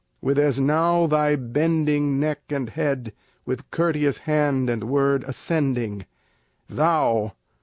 with as now thy bending neck and head, with courteous hand and word, ascending, Thou!